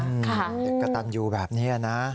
กระตันอยู่แบบนี้นะ